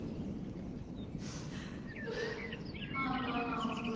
また泣く。